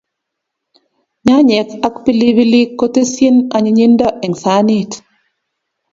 Nyanyej ak pilipilik kotesyin anyinyindo eng sanit